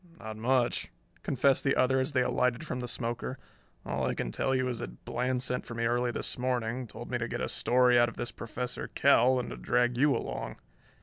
"Not much," confessed the other as they alighted from the smoker. "All I can tell you is that Bland sent for me early this morning, told me to get a story out of this Professor Kell and to drag you along.